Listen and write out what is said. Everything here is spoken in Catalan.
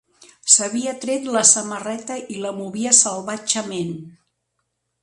S'havia tret la samarreta i la movia salvatgement.